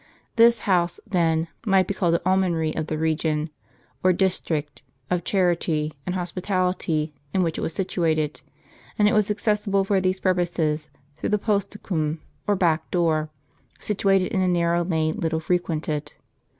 This house, then, might be called the almonry of the region, or dis trict, of charity and hospitality in which it was situated, and it was accessible for these purposes through the posticum or back door, situated in a narrow lane little frequented.